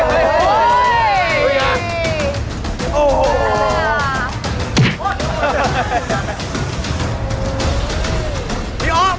โอ้โฮโอ้โฮโอ้โฮโอ้โฮ